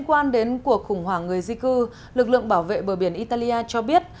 lực lượng bảo vệ bờ biển italia cho biết